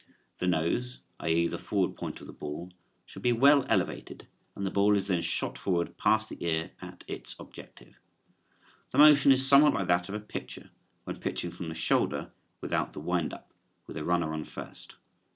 The nose, i.e., the forward point of the ball, should be well elevated and the ball is then shot forward past the ear at its objective. The motion is somewhat like that of a pitcher, when pitching from the shoulder without the "wind up," with a runner on first.